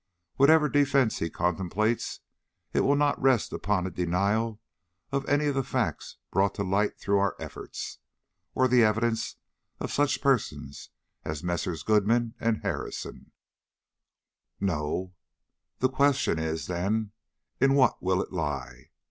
Whatever defence he contemplates, it will not rest upon a denial of any of the facts brought to light through our efforts, or the evidence of such persons as Messrs. Goodman and Harrison." "No." "The question is, then, in what will it lie?